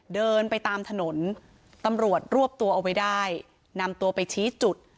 เดินไปตามถนนตำรวจรวบตัวเอาไว้ได้นำตัวไปชี้จุด